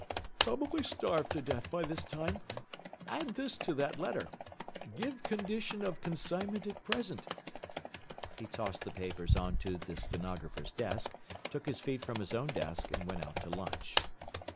“Probably starved to death by this time! Add this to that letter: 'Give condition of consignment at present.'” He tossed the papers on to the stenographer's desk, took his feet from his own desk and went out to lunch.